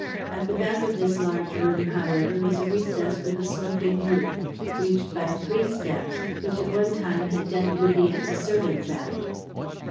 At the back of this large room, however, was a recess with a sloping roof, reached by three steps, which at one time had done duty as a servant's attic.